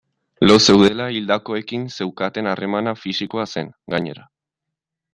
Lo zeudela hildakoekin zeukaten harremana fisikoa zen, gainera.